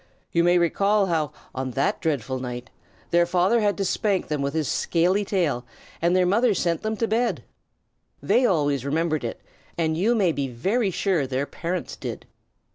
You may recall how, on that dreadful night, their father had to spank them with his scaly tail and their mother sent them to bed. They always remembered it, and you may be very sure their parents did.